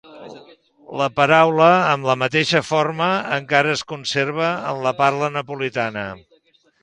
La paraula, amb la mateixa forma, encara es conserva en la parla napolitana.